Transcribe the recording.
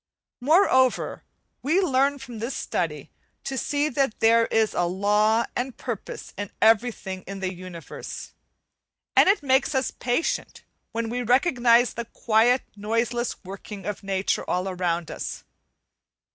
Moreover, we learn from this study to see that there is a law and purpose in everything in the Universe, and it makes us patient when we recognize the quiet noiseless working of nature all around us.